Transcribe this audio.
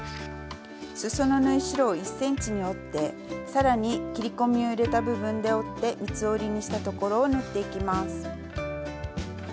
すその縫い代を１ｃｍに折って更に切り込みを入れた部分で折って三つ折りにしたところを縫っていきます。